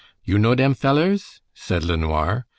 "You know dem fellers?" said LeNoir.